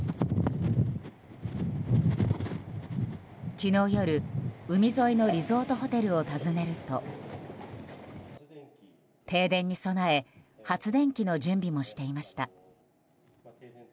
昨日夜、海沿いのリゾートホテルを訪ねると停電に備え発電機の準備もしていました。